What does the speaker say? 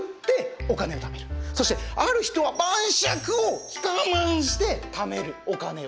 そしてある人は晩酌を我慢して貯めるお金を。